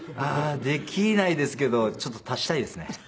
ああできないですけどちょっと足したいですね。